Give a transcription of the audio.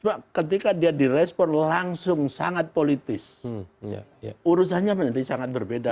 sebab ketika dia direspon langsung sangat politis urusannya menjadi sangat berbeda